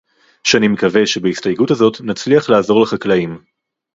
שאני מקווה שבהסתייגות הזאת נצליח לעזור לחקלאים